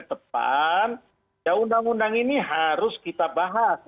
dan uud ini harus kita bahas